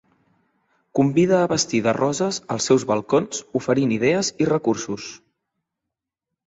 Convida a vestir de roses els seus balcons oferint idees i recursos.